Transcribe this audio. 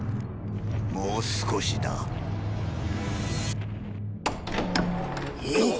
もう少しだ。っ！